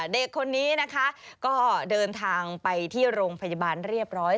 เด็กคนนี้นะคะก็เดินทางไปที่โรงพยาบาลเรียบร้อย